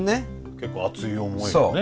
結構熱い思いをね。